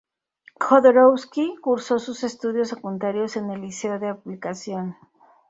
Jodorowsky cursó sus estudios secundarios en el Liceo de Aplicación.